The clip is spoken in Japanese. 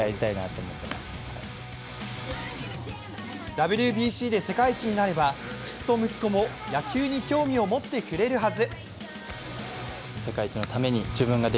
ＷＢＣで世界一になれば、きっと息子も野球に興味を持ってくれるはず。